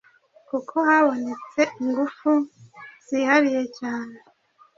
kuko habonetse ingufu zihariye cyane,